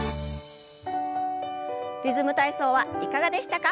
「リズム体操」はいかがでしたか？